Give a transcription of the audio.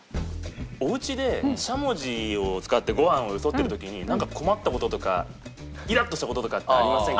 おうちでしゃもじを使ってご飯をよそってる時になんか困った事とかイラッとした事とかってありませんか？